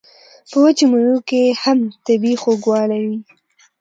په وچو میوو کې هم طبیعي خوږوالی وي.